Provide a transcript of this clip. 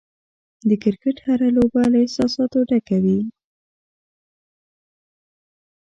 د کرکټ هره لوبه له احساساتو ډکه وي.